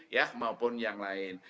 ya maupun yang lain